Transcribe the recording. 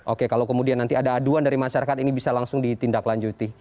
oke kalau kemudian nanti ada aduan dari masyarakat ini bisa langsung ditindaklanjuti